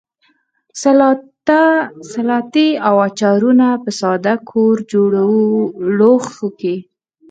سلاتې او اچارونه په ساده کورجوړو لوښیو کې.